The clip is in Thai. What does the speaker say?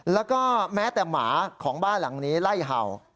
แล้วก็แม้แต่หมาของบ้านหลังนี้ไล่เห่า